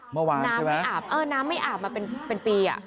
อ๋อเมื่อวานใช่ไหมน้ำไม่อาบมาเป็นปี